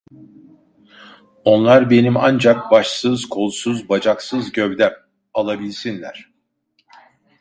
Onlar benim ancak başsız, kolsuz, bacaksız gövdem, alabilsinler…